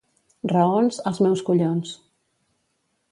Raons, els meus collons.